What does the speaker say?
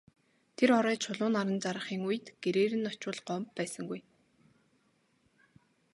Тэр орой Чулуун наран жаргахын үед гэрээр нь очвол Гомбо байсангүй.